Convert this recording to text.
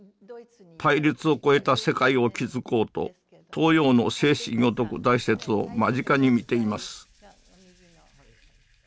対立を超えた世界を築こうと東洋の精神を説く大拙を間近に見ています